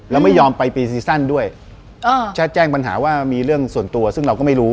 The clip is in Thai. แล้วไม่ยอมไปปีซีซั่นด้วยแค่แจ้งปัญหาว่ามีเรื่องส่วนตัวซึ่งเราก็ไม่รู้